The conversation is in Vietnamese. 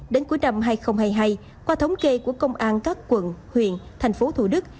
đến cuối năm hai nghìn hai mươi hai qua thống kê của công an các quận huyện thành phố thủ đức